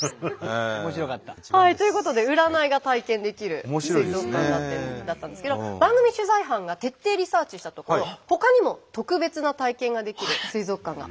面白かった。ということで占いが体験できる水族館だったんですけど番組取材班が徹底リサーチしたところほかにも特別な体験ができる水族館がありました。